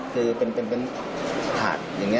คือเป็นผักอย่างนี้